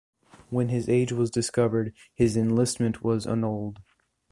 When his age was discovered his enlistment was annulled.